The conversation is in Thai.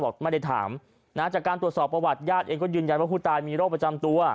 ไม่ได้ถามนะจากการตรวจสอบประวัติญาติเองก็ยืนยันว่าผู้ตายมีโรคประจำตัว